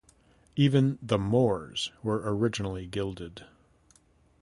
Even the 'Moors' were originally gilded.